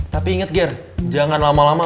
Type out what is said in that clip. tapi ingat ger jangan lama lama